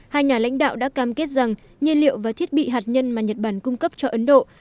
hai nhà lãnh đạo đã cam kết rằng nhiên liệu và thiết bị hạt nhân mà nhật bản cung cấp cho ấn độ